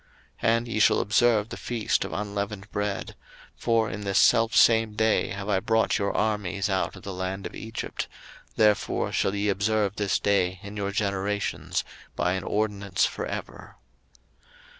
02:012:017 And ye shall observe the feast of unleavened bread; for in this selfsame day have I brought your armies out of the land of Egypt: therefore shall ye observe this day in your generations by an ordinance for ever.